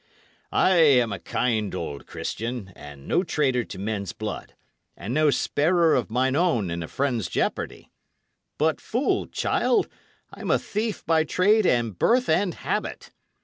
"I am a kind old Christian, and no traitor to men's blood, and no sparer of mine own in a friend's jeopardy. But, fool, child, I am a thief by trade and birth and habit.